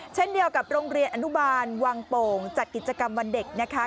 เช่นเดียวกับโรงเรียนอนุบาลวังโป่งจัดกิจกรรมวันเด็กนะคะ